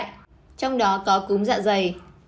trong đó có cúm dạ dày